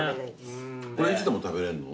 これいつでも食べられるの？